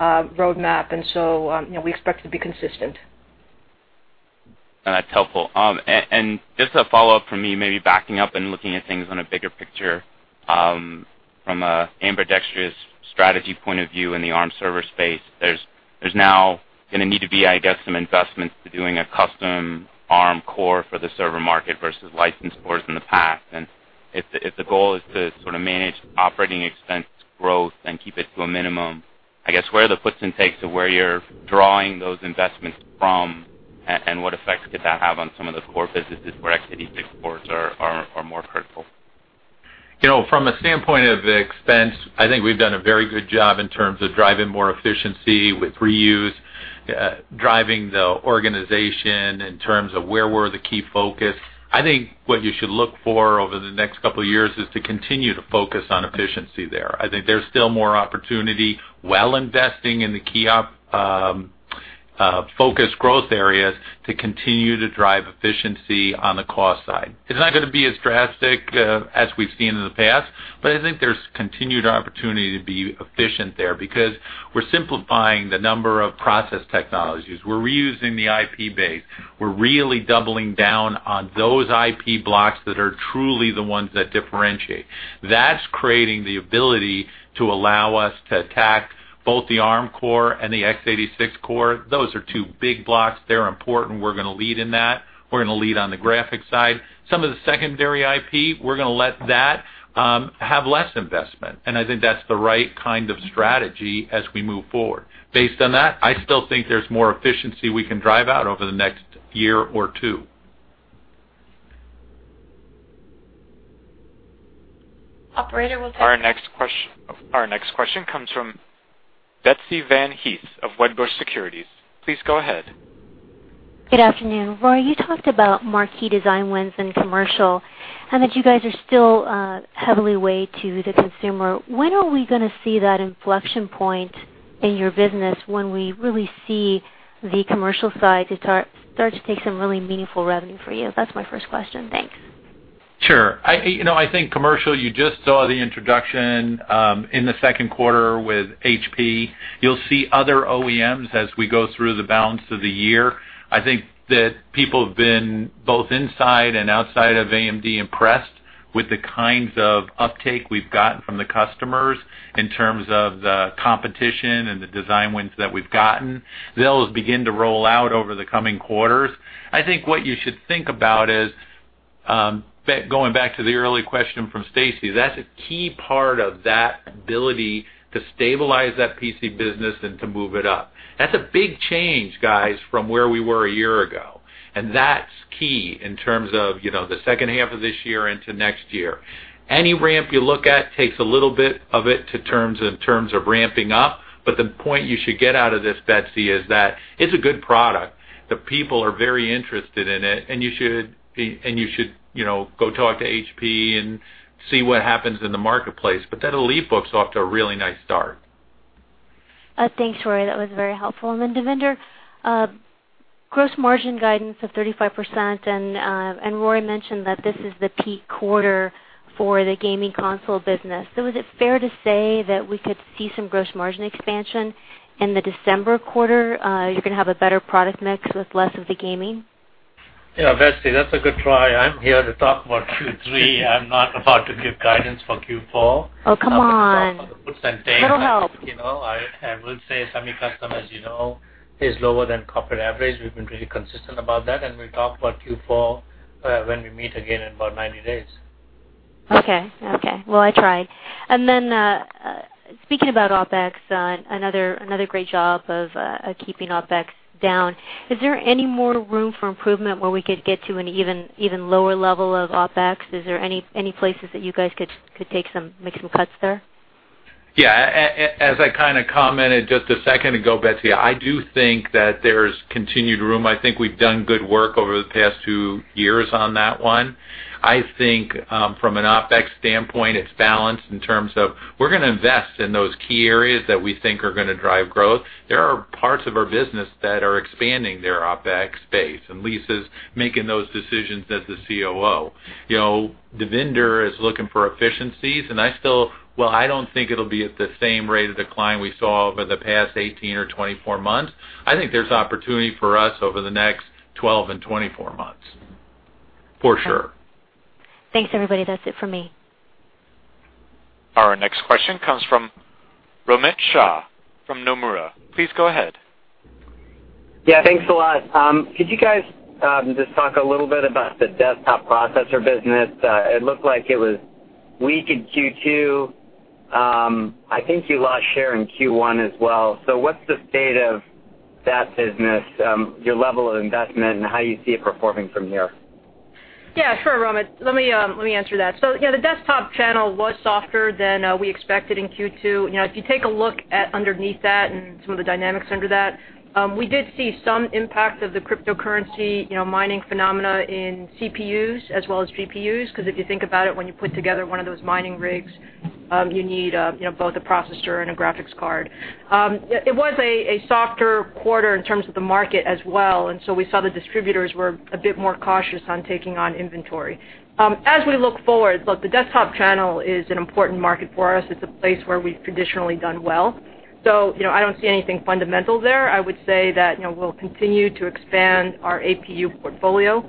roadmap, so we expect it to be consistent. That's helpful. Just a follow-up from me, maybe backing up and looking at things on a bigger picture from an ambidextrous strategy point of view in the Arm server space, there's now going to need to be, I guess, some investments to doing a custom Arm core for the server market versus license cores in the past. If the goal is to sort of manage operating expense growth and keep it to a minimum, I guess where are the puts and takes of where you're drawing those investments from and what effects could that have on some of the core businesses where x86 cores are more critical? From a standpoint of expense, I think we've done a very good job in terms of driving more efficiency with reuse, driving the organization in terms of where we're the key focus. I think what you should look for over the next couple of years is to continue to focus on efficiency there. I think there's still more opportunity while investing in the key focus growth areas to continue to drive efficiency on the cost side. It's not going to be as drastic as we've seen in the past, but I think there's continued opportunity to be efficient there because we're simplifying the number of process technologies. We're reusing the IP base. We're really doubling down on those IP blocks that are truly the ones that differentiate. That's creating the ability to allow us to attack both the Arm core and the x86 core. Those are two big blocks. They're important. We're going to lead in that. We're going to lead on the graphic side. Some of the secondary IP, we're going to let that have less investment, and I think that's the right kind of strategy as we move forward. Based on that, I still think there's more efficiency we can drive out over the next year or two. Our next question comes from Betsy Van Hees of Wedbush Securities. Please go ahead. Good afternoon. Rory, you talked about marquee design wins in commercial and that you guys are still heavily weighed to the consumer. When are we going to see that inflection point in your business when we really see the commercial side start to take some really meaningful revenue for you? That's my first question. Thanks. Sure. I think commercial, you just saw the introduction in the second quarter with HP. You'll see other OEMs as we go through the balance of the year. I think that people have been, both inside and outside of AMD, impressed with the kinds of uptake we've gotten from the customers in terms of the competition and the design wins that we've gotten. Those begin to roll out over the coming quarters. I think what you should think about is, going back to the early question from Stacy, that's a key part of that ability to stabilize that PC business and to move it up. That's a big change, guys, from where we were a year ago, and that's key in terms of the second half of this year into next year. Any ramp you look at takes a little bit of it in terms of ramping up. The point you should get out of this, Betsy, is that it's a good product. The people are very interested in it, and you should go talk to HP and see what happens in the marketplace. That'll EliteBooks off to a really nice start. Thanks, Rory. That was very helpful. Devinder, gross margin guidance of 35%, and Rory mentioned that this is the peak quarter for the gaming console business. Is it fair to say that we could see some gross margin expansion in the December quarter? You're going to have a better product mix with less of the gaming. Yeah, Betsy, that's a good try. I'm here to talk about Q3. I'm not about to give guidance for Q4. Oh, come on. I would say semi-custom, as you know, is lower than corporate average. We've been really consistent about that. We'll talk about Q4 when we meet again in about 90 days. Okay. Well, I tried. Speaking about OpEx, another great job of keeping OpEx down. Is there any more room for improvement where we could get to an even lower level of OpEx? Is there any places that you guys could make some cuts there? Yeah. As I commented just a second ago, Betsy, I do think that there's continued room. I think we've done good work over the past two years on that one. I think, from an OpEx standpoint, it's balanced in terms of we're going to invest in those key areas that we think are going to drive growth. There are parts of our business that are expanding their OpEx base, and Lisa's making those decisions as the COO. Devinder is looking for efficiencies, I don't think it'll be at the same rate of decline we saw over the past 18 or 24 months. I think there's opportunity for us over the next 12 and 24 months, for sure. Thanks, everybody. That's it for me. Our next question comes from Romit Shah from Nomura. Please go ahead. Yeah, thanks a lot. Could you guys just talk a little bit about the desktop processor business? It looked like it was weak in Q2. I think you lost share in Q1 as well. What's the state of that business, your level of investment, and how you see it performing from here? Yeah, sure, Romit. Let me answer that. The desktop channel was softer than we expected in Q2. If you take a look at underneath that and some of the dynamics under that, we did see some impact of the cryptocurrency mining phenomena in CPUs as well as GPUs. Because if you think about it, when you put together one of those mining rigs, you need both a processor and a graphics card. It was a softer quarter in terms of the market as well. We saw the distributors were a bit more cautious on taking on inventory. As we look forward, look, the desktop channel is an important market for us. It's a place where we've traditionally done well. I don't see anything fundamental there. I would say that we'll continue to expand our APU portfolio.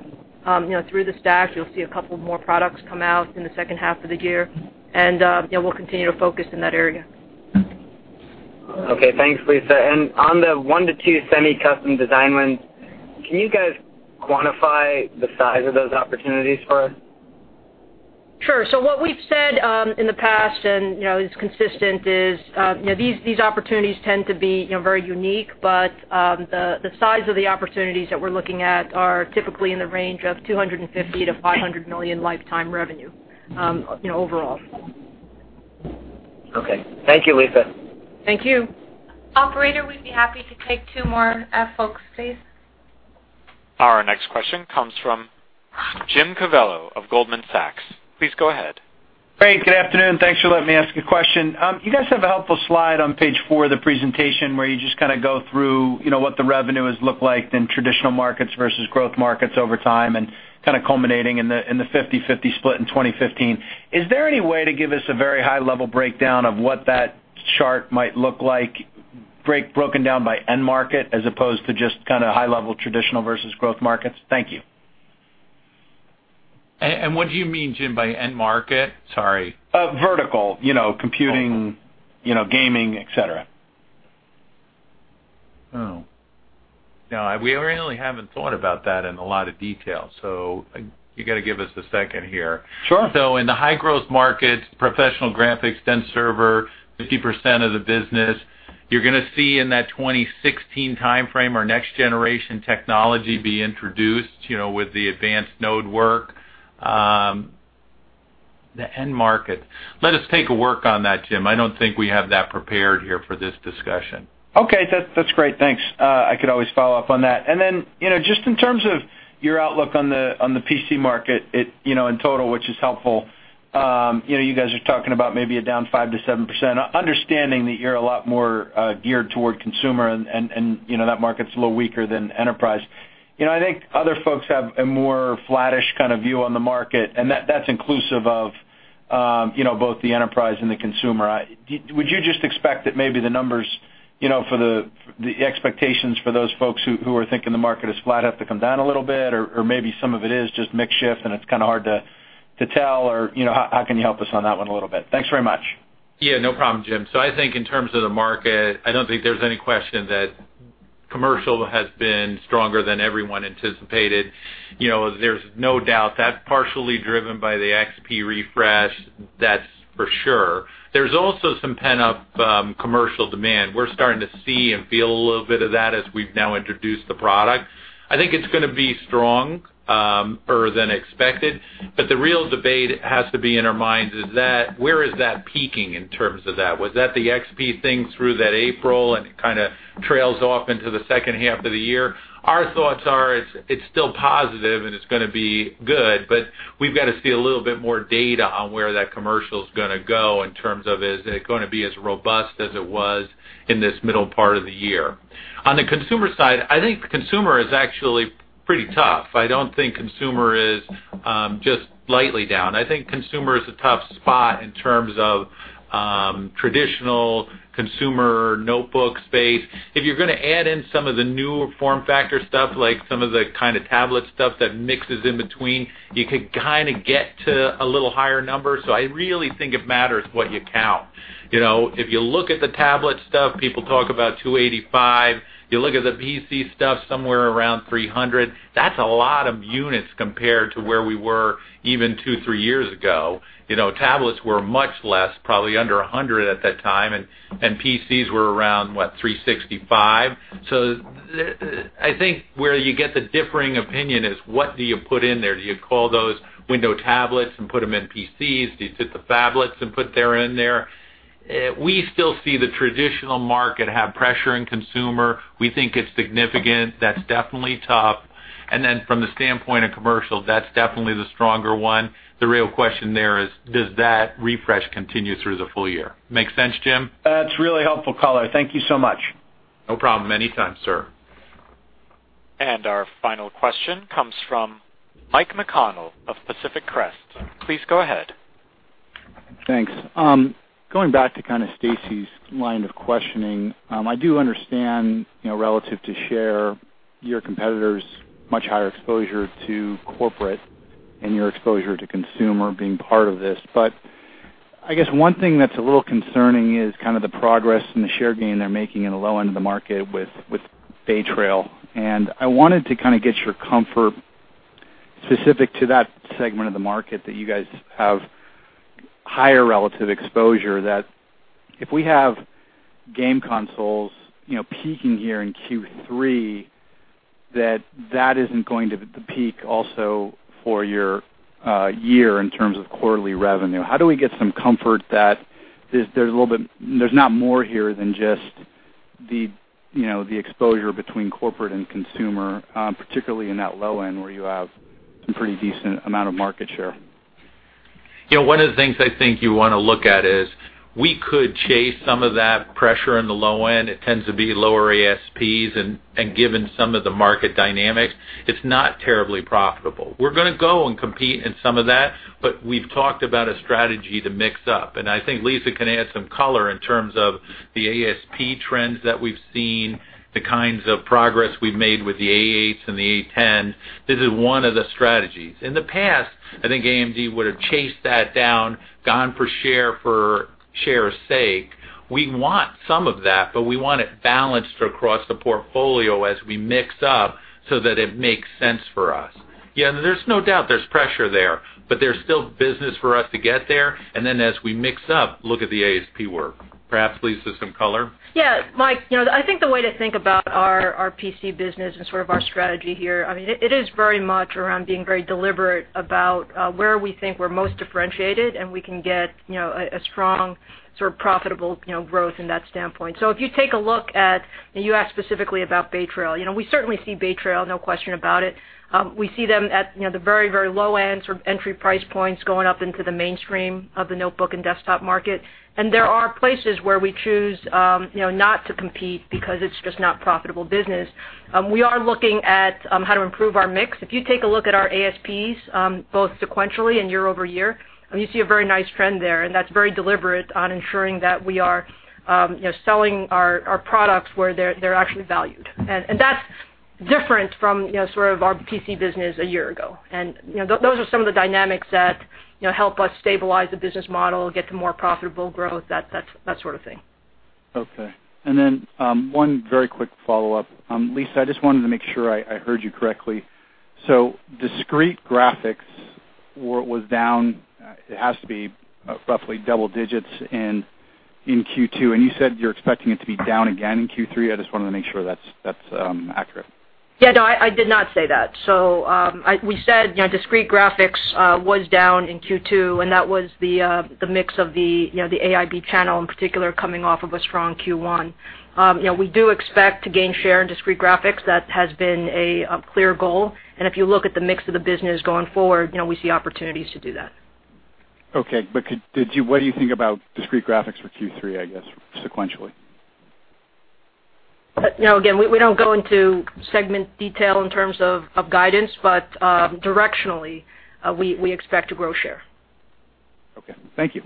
Through the stack, you'll see a couple more products come out in the second half of the year. We'll continue to focus in that area. Okay. Thanks, Lisa. On the one to two semi-custom design wins, can you guys quantify the size of those opportunities for us? Sure. What we've said in the past, and is consistent is, these opportunities tend to be very unique, but the size of the opportunities that we're looking at are typically in the range of $250 million-$500 million lifetime revenue overall. Okay. Thank you, Lisa. Thank you. Operator, we'd be happy to take two more folks, please. Our next question comes from James Covello of Goldman Sachs. Please go ahead. Great. Good afternoon. Thanks for letting me ask a question. You guys have a helpful slide on page four of the presentation where you just go through what the revenues look like in traditional markets versus growth markets over time and culminating in the 50/50 split in 2015. Is there any way to give us a very high-level breakdown of what that chart might look like broken down by end market as opposed to just high level traditional versus growth markets? Thank you. What do you mean, Jim, by end market? Sorry. Vertical. Computing, gaming, et cetera. Oh. We really haven't thought about that in a lot of detail, so you got to give us a second here. Sure. In the high-growth markets, professional graphics, dense server, 50% of the business. You're going to see in that 2016 timeframe our next-generation technology be introduced with the advanced node work. The end market. Let us take a work on that, Jim. I don't think we have that prepared here for this discussion. Okay. That's great. Thanks. I could always follow up on that. Just in terms of your outlook on the PC market in total, which is helpful. You guys are talking about maybe a down 5%-7%, understanding that you're a lot more geared toward consumer and that market's a little weaker than enterprise. I think other folks have a more flattish kind of view on the market, and that's inclusive of both the enterprise and the consumer. Would you just expect that maybe the numbers for the expectations for those folks who are thinking the market is flat have to come down a little bit? Or maybe some of it is just mix shift, and it's kind of hard to tell. How can you help us on that one a little bit? Thanks very much. Yeah, no problem, Jim. I think in terms of the market, I don't think there's any question that commercial has been stronger than everyone anticipated. There's no doubt that's partially driven by the Windows XP refresh, that's for sure. There's also some pent-up commercial demand. We're starting to see and feel a little bit of that as we've now introduced the product. I think it's going to be stronger than expected, but the real debate has to be in our minds is that where is that peaking in terms of that? Was that the Windows XP thing through that April, and it kind of trails off into the second half of the year? Our thoughts are, it's still positive, and it's going to be good, but we've got to see a little bit more data on where that commercial's going to go in terms of, is it going to be as robust as it was in this middle part of the year? On the consumer side, I think consumer is actually pretty tough. I don't think consumer is just lightly down. I think consumer is a tough spot in terms of traditional consumer notebook space. If you're going to add in some of the newer form factor stuff, like some of the kind of tablet stuff that mixes in between, you could kind of get to a little higher number. I really think it matters what you count. If you look at the tablet stuff, people talk about 285. You look at the PC stuff, somewhere around 300. That's a lot of units compared to where we were even two, three years ago. Tablets were much less, probably under 100 at that time, and PCs were around, what, 365? I think where you get the differing opinion is what do you put in there? Do you call those Windows tablets and put them in PCs? Do you take the phablets and put them in there? We still see the traditional market have pressure in consumer. We think it's significant. That's definitely tough. From the standpoint of commercial, that's definitely the stronger one. The real question there is, does that refresh continue through the full year? Make sense, Jim? That's really helpful color. Thank you so much. No problem. Anytime, sir. Our final question comes from Mike McConnell of Pacific Crest. Please go ahead. Thanks. Going back to kind of Stacy's line of questioning, I do understand, relative to share, your competitors' much higher exposure to corporate and your exposure to consumer being part of this. I guess one thing that's a little concerning is kind of the progress and the share gain they're making in the low end of the market with Bay Trail. I wanted to kind of get your comfort specific to that segment of the market that you guys have higher relative exposure, that if we have game consoles peaking here in Q3, that that isn't going to peak also for your year in terms of quarterly revenue. How do we get some comfort that there's not more here than just the exposure between corporate and consumer, particularly in that low end where you have some pretty decent amount of market share? One of the things I think you want to look at is we could chase some of that pressure in the low end. It tends to be lower ASPs. Given some of the market dynamics, it's not terribly profitable. We're going to go and compete in some of that. We've talked about a strategy to mix up. I think Lisa can add some color in terms of the ASP trends that we've seen, the kinds of progress we've made with the A8s and the A10. This is one of the strategies. In the past, I think AMD would have chased that down, gone for share for share's sake. We want some of that. We want it balanced across the portfolio as we mix up so that it makes sense for us. Yeah, there's no doubt there's pressure there. There's still business for us to get there. As we mix up, look at the ASP work. Perhaps, Lisa, some color? Yeah. Mike, I think the way to think about our PC business and sort of our strategy here, it is very much around being very deliberate about where we think we're most differentiated. We can get a strong, sort of profitable growth in that standpoint. If you take a look at, you asked specifically about Bay Trail. We certainly see Bay Trail, no question about it. We see them at the very, very low end, sort of entry price points going up into the mainstream of the notebook and desktop market. There are places where we choose not to compete because it's just not profitable business. We are looking at how to improve our mix. If you take a look at our ASPs, both sequentially and year-over-year, you see a very nice trend there, and that's very deliberate on ensuring that we are selling our products where they're actually valued. That's different from sort of our PC business a year ago. Those are some of the dynamics that help us stabilize the business model, get to more profitable growth, that sort of thing. Okay. Then one very quick follow-up. Lisa, I just wanted to make sure I heard you correctly. Discrete graphics was down, it has to be roughly double digits in Q2, and you said you're expecting it to be down again in Q3. I just wanted to make sure that's accurate. Yeah, no, I did not say that. We said discrete graphics was down in Q2, and that was the mix of the AIB channel in particular coming off of a strong Q1. We do expect to gain share in discrete graphics. That has been a clear goal, and if you look at the mix of the business going forward, we see opportunities to do that. Okay, what do you think about discrete graphics for Q3, I guess, sequentially? Again, we don't go into segment detail in terms of guidance, but directionally, we expect to grow share. Okay. Thank you.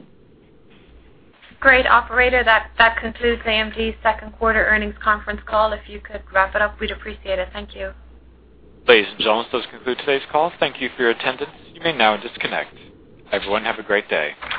Great. Operator, that concludes AMD's second quarter earnings conference call. If you could wrap it up, we'd appreciate it. Thank you. Ladies and gentlemen, this concludes today's call. Thank you for your attendance. You may now disconnect. Everyone, have a great day.